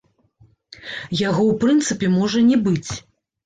Яго ў прынцыпе можа не быць.